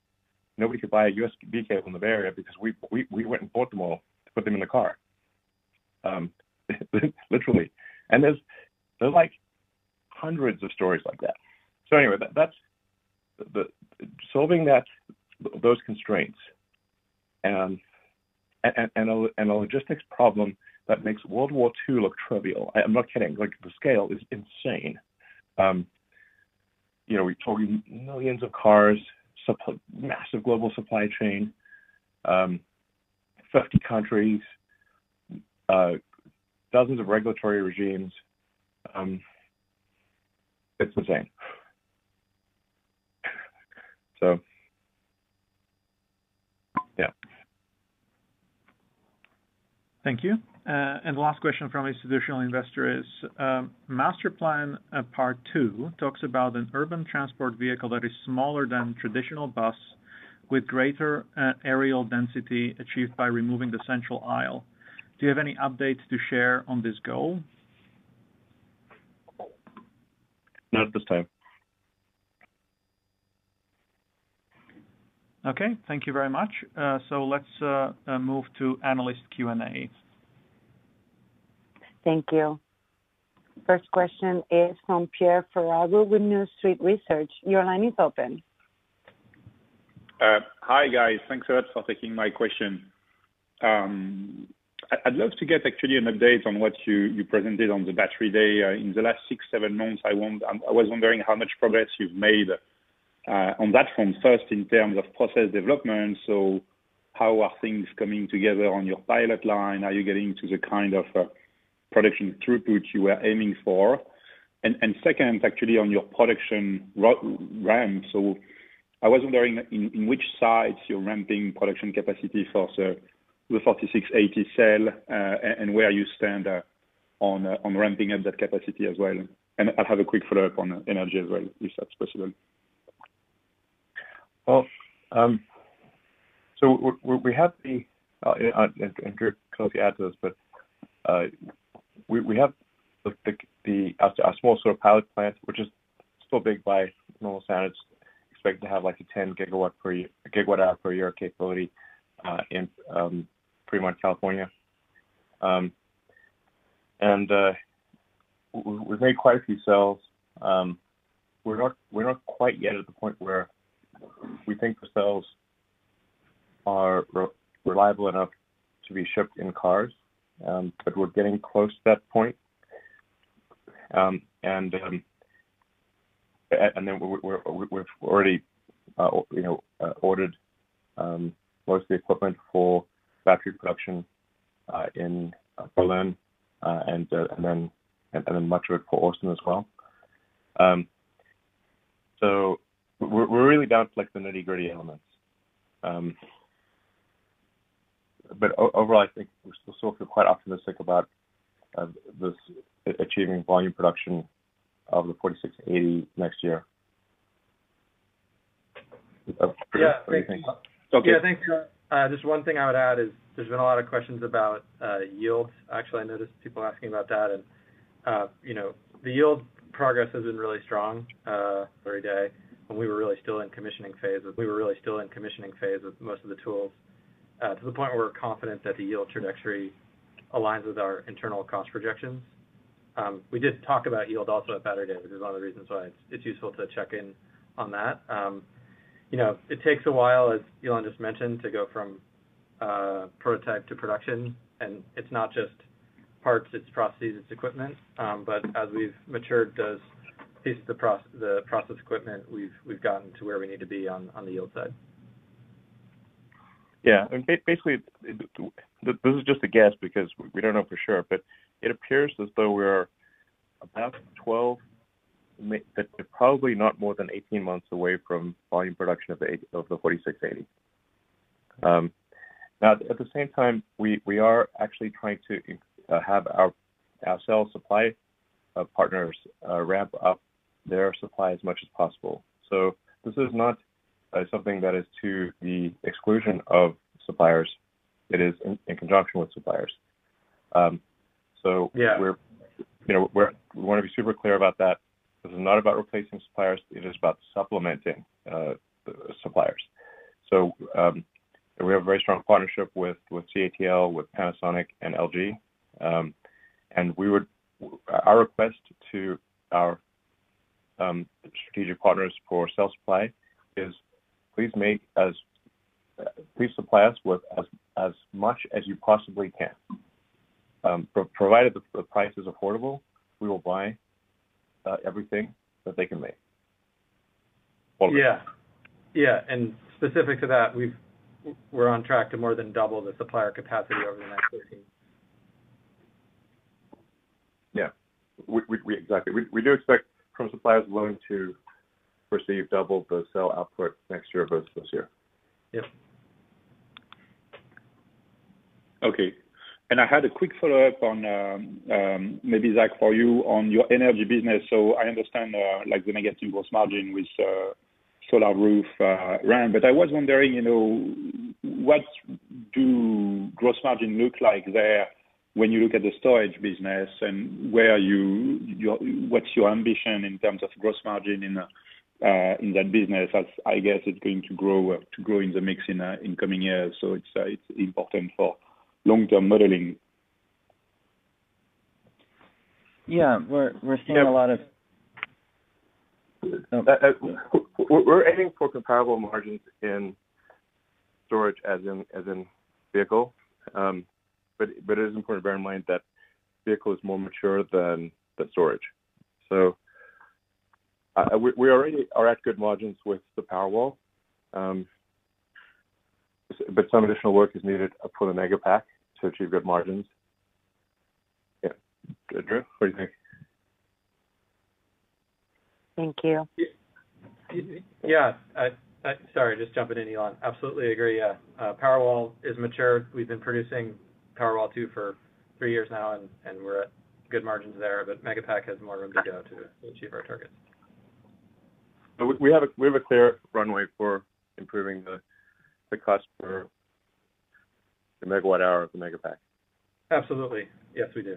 nobody could buy a USB cable in the Bay Area because we went and bought them all to put them in the car. Literally. There's hundreds of stories like that. Solving those constraints and a logistics problem that makes World War II look trivial. I'm not kidding. The scale is insane. We're talking millions of cars, massive global supply chain, 50 countries, dozens of regulatory regimes. It's insane. Yeah. Thank you. The last question from institutional investor is, Master Plan Part 2 talks about an urban transport vehicle that is smaller than traditional bus with greater aerial density achieved by removing the central aisle. Do you have any updates to share on this goal? Not at this time. Okay. Thank you very much. Let's move to analyst Q&A. Thank you. First question is from Pierre Ferragu with New Street Research. Your line is open. Hi, guys. Thanks a lot for taking my question. I'd love to get actually an update on what you presented on the Battery Day. In the last six, seven months, I was wondering how much progress you've made on that front. First, in terms of process development, how are things coming together on your pilot line? Are you getting to the kind of production throughput you were aiming for? Second, actually on your production ramp. I was wondering in which sites you're ramping production capacity for the 4680 cell, and where you stand on ramping up that capacity as well. I'll have a quick follow-up on energy as well, if that's possible. Well, Drew can hopefully add to this, but we have a small sort of pilot plant, which is still big by normal standards, expecting to have a 10 GW per year capability in Fremont, California. We've made quite a few cells. We're not quite yet at the point where we think the cells are reliable enough to be shipped in cars. We're getting close to that point. We've already ordered most of the equipment for battery production in Berlin, and then much of it for Austin as well. We're really down to the nitty-gritty elements. Overall, I think we're still sort of quite optimistic about achieving volume production of the 4680 next year. Drew, what do you think? Yeah. Thanks, Elon. Okay. Thanks, Elon. Just one thing I would add is, there's been a lot of questions about yields. Actually, I noticed people asking about that and the yield progress has been really strong every day, and we were really still in commissioning phase of most of the tools, to the point where we're confident that the yield trajectory aligns with our internal cost projections. We did talk about yield also at Battery Day, which is one of the reasons why it's useful to check in on that. It takes a while, as Elon just mentioned, to go from prototype to production, and it's not just parts, it's processes, it's equipment. As we've matured the process equipment, we've gotten to where we need to be on the yield side. Yeah. Basically, this is just a guess, because we don't know for sure, but it appears as though we're about 12, probably not more than 18 months away from volume production of the 4680. Now, at the same time, we are actually trying to have our cell supply partners ramp up their supply as much as possible. This is not something that is to the exclusion of suppliers. It is in conjunction with suppliers. Yeah. We want to be super clear about that. This is not about replacing suppliers, it is about supplementing suppliers. We have a very strong partnership with CATL, with Panasonic, and LG. Our request to our strategic partners for cell supply is please supply us with as much as you possibly can. Provided that the price is affordable, we will buy everything that they can make. All of it. Yeah. Specific to that, we're on track to more than double the supplier capacity over the next 18 months. Yeah. Exactly. We do expect from suppliers willing to proceed double the cell output next year versus this year. Yep. Okay. I had a quick follow-up on, maybe Zach for you, on your energy business. I understand when I get to gross margin with Solar Roof ramp. I was wondering, what do gross margin look like there when you look at the storage business, and what's your ambition in terms of gross margin in that business as, I guess it's going to grow in the mix in coming years. It's important for long-term modeling. Yeah. We're seeing a lot of. We're aiming for comparable margins in storage as in vehicle. It is important to bear in mind that vehicle is more mature than the storage. We already are at good margins with the Powerwall, but some additional work is needed for the Megapack to achieve good margins. Yeah. Drew, what do you think? Thank you. Yeah. Sorry, just jumping in, Elon. Absolutely agree. Yeah. Powerwall is mature. We've been producing Powerwall 2 for three years now, and we're at good margins there, but Megapack has more room to go to achieve our targets. We have a clear runway for improving the cost per MWh of the Megapack. Absolutely. Yes, we do.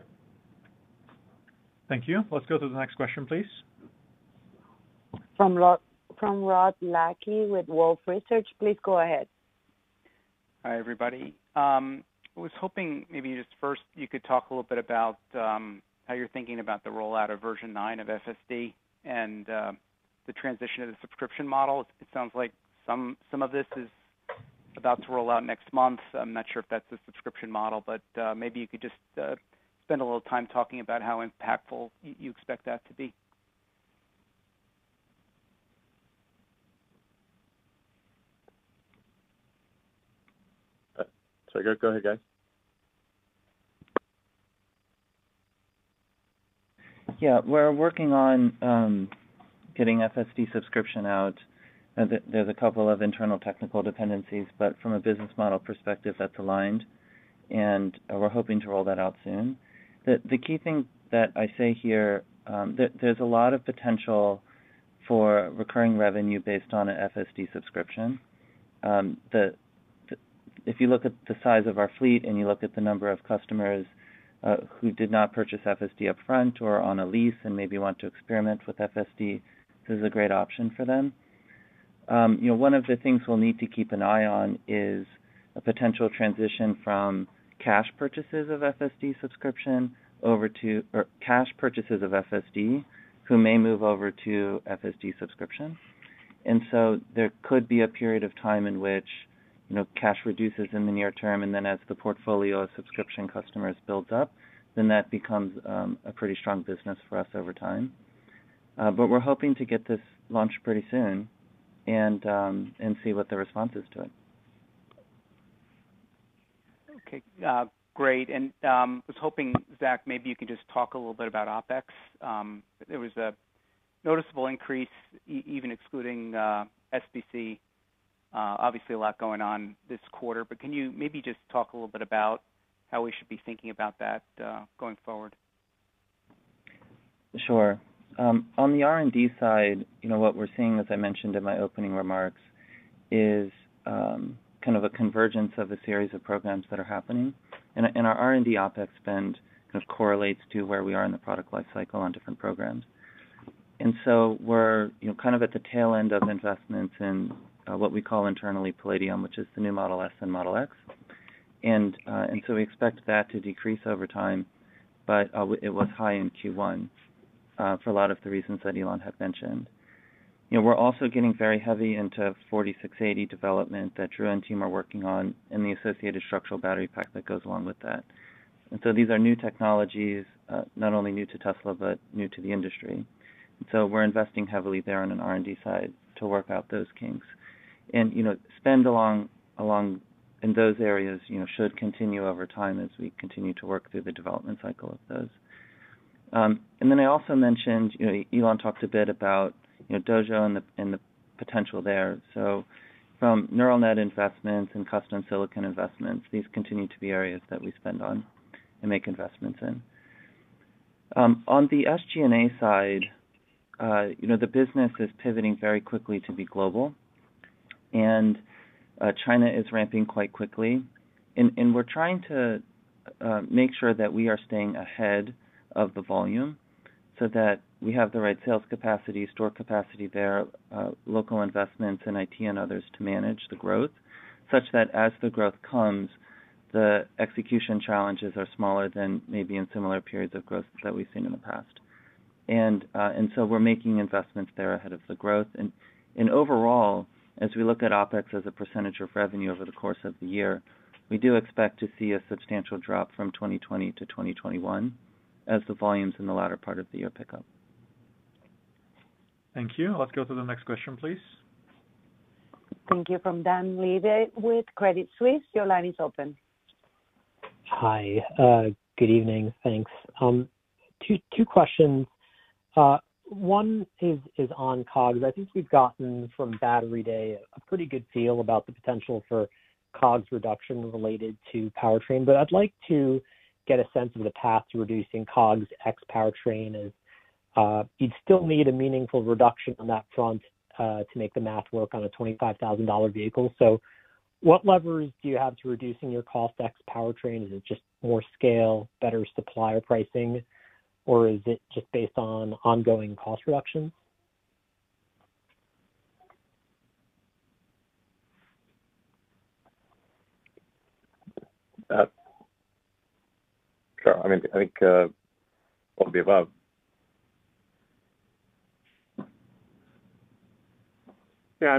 Thank you. Let's go to the next question, please. From Rod Lache with Wolfe Research. Please go ahead. Hi, everybody. I was hoping maybe just first you could talk a little bit about how you're thinking about the rollout of Version 9 of FSD and the transition to the subscription model. It sounds like some of this is about to roll out next month. I'm not sure if that's the subscription model, but maybe you could just spend a little time talking about how impactful you expect that to be. Sorry, go ahead, guys. Yeah, we're working on getting FSD subscription out. There's a couple of internal technical dependencies, but from a business model perspective, that's aligned, and we're hoping to roll that out soon. The key thing that I say here, there's a lot of potential for recurring revenue based on an FSD subscription. If you look at the size of our fleet and you look at the number of customers who did not purchase FSD up front or are on a lease and maybe want to experiment with FSD, this is a great option for them. One of the things we'll need to keep an eye on is a potential transition from cash purchases of FSD, who may move over to FSD subscription. There could be a period of time in which cash reduces in the near term, and then as the portfolio of subscription customers builds up, then that becomes a pretty strong business for us over time. We're hoping to get this launched pretty soon and see what the response is to it. Okay, great. I was hoping, Zach, maybe you could just talk a little bit about OpEx? There was a noticeable increase, even excluding SBC. Obviously a lot going on this quarter, can you maybe just talk a little bit about how we should be thinking about that going forward? Sure. On the R&D side, what we're seeing, as I mentioned in my opening remarks, is a convergence of a series of programs that are happening. Our R&D OpEx spend correlates to where we are in the product life cycle on different programs. We're at the tail end of investments in what we call internally Palladium, which is the new Model S and Model X. We expect that to decrease over time, but it was high in Q1 for a lot of the reasons that Elon had mentioned. We're also getting very heavy into 4680 development that Drew and team are working on and the associated structural battery pack that goes along with that. These are new technologies, not only new to Tesla, but new to the industry. We're investing heavily there on an R&D side to work out those kinks. Spend in those areas should continue over time as we continue to work through the development cycle of those. I also mentioned, Elon talked a bit about Dojo and the potential there. From neural net investments and custom silicon investments, these continue to be areas that we spend on and make investments in. On the SG&A side, the business is pivoting very quickly to be global, China is ramping quite quickly. We're trying to make sure that we are staying ahead of the volume so that we have the right sales capacity, store capacity there, local investments in IT and others to manage the growth, such that as the growth comes, the execution challenges are smaller than maybe in similar periods of growth that we've seen in the past. We're making investments there ahead of the growth. Overall, as we look at OpEx as a percentage of revenue over the course of the year, we do expect to see a substantial drop from 2020 to 2021 as the volumes in the latter part of the year pick up. Thank you. Let's go to the next question, please. Thank you. From Dan Levy with Credit Suisse, your line is open. Hi. Good evening. Thanks. Two questions. One is on COGS. I think we've gotten from Battery Day a pretty good feel about the potential for COGS reduction related to powertrain, but I'd like to get a sense of the path to reducing COGS ex powertrain, as you'd still need a meaningful reduction on that front to make the math work on a $25,000 vehicle. What levers do you have to reducing your cost ex powertrain? Is it just more scale, better supplier pricing, or is it just based on ongoing cost reductions? Sure. I think all of the above. Yeah,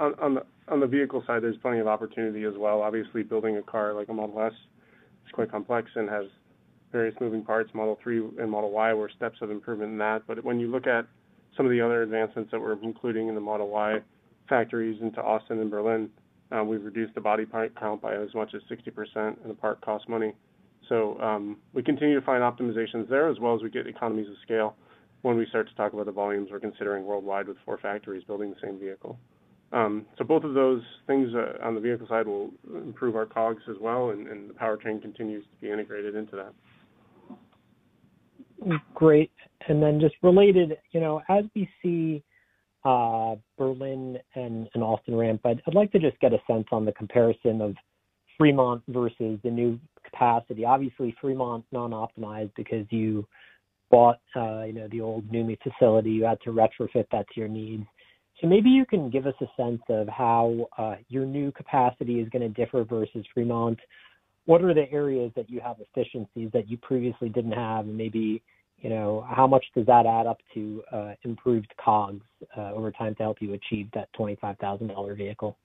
on the vehicle side, there's plenty of opportunity as well. Obviously, building a car like a Model S is quite complex and has various moving parts. Model 3 and Model Y were steps of improvement in that. When you look at some of the other advancements that we're including in the Model Y factories into Austin and Berlin, we've reduced the body part count by as much as 60%, and the part costs money. We continue to find optimizations there as well as we get economies of scale when we start to talk about the volumes we're considering worldwide with four factories building the same vehicle. Both of those things on the vehicle side will improve our COGS as well, and the powertrain continues to be integrated into that. Great. Just related, as we see Berlin and Austin ramp, I'd like to just get a sense on the comparison of Fremont versus the new capacity. Obviously, Fremont's non-optimized because you bought the old NUMMI facility, you had to retrofit that to your needs. Maybe you can give us a sense of how your new capacity is going to differ versus Fremont. What are the areas that you have efficiencies that you previously didn't have? How much does that add up to improved COGS over time to help you achieve that $25,000 vehicle?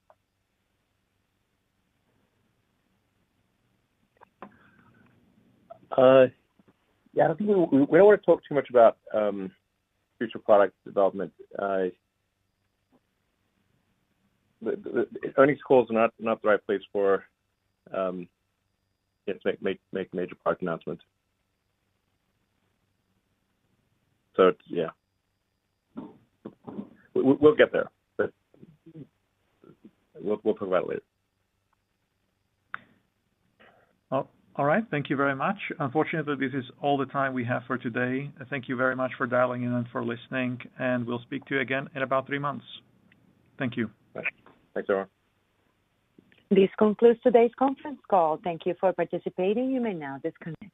Yeah, I don't think we want to talk too much about future product development. Earnings calls are not the right place for make major product announcements. Yeah, we'll get there, but we'll provide later. All right. Thank you very much. Unfortunately, this is all the time we have for today. Thank you very much for dialing in and for listening, and we'll speak to you again in about three months. Thank you. Thanks, everyone. This concludes today's conference call. Thank you for participating. You may now disconnect.